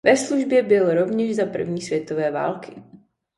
Ve službě byl rovněž za první světové války.